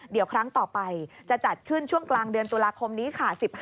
เดี๋ยวครั้งต่อไปจะจัดขึ้นช่วงกลางเดือนตุลาคมนี้ค่ะ